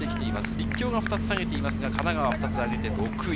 立教が２つ下げていますが、神奈川２つあげて６位。